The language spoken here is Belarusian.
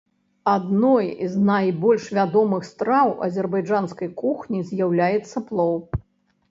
Адной з найбольш вядомых страў азербайджанскай кухні з'яўляецца плоў.